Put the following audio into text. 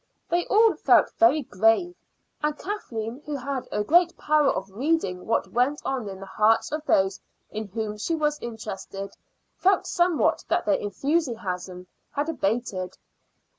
They all felt very grave, and Kathleen, who had a great power of reading what went on in the hearts of those in whom she was interested, felt somehow that their enthusiasm had abated.